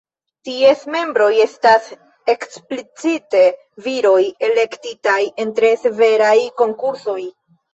Ties membroj estas eksplicite viroj, elektitaj en tre severaj konkursoj.